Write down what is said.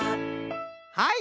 はい！